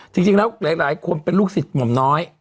จริงแล้วหลายคนเป็นลูกศิษย์หม่อมน้อย